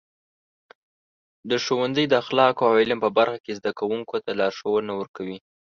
ښوونځي د اخلاقو او علم په برخه کې زده کوونکو ته لارښونه ورکوي.